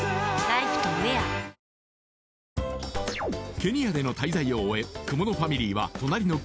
ケニアでの滞在を終え雲野ファミリーは隣の国